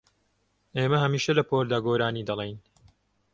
ئێمە هەمیشە لە پۆلدا گۆرانی دەڵێین.